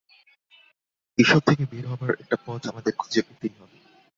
এসব থেকে বের হবার একটা পথ আমাদের খুঁজে পেতেই হবে।